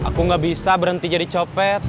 aku gak bisa berhenti jadi copet